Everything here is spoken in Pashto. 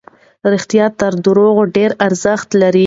رښتیا تر درواغو ډېر ارزښت لري.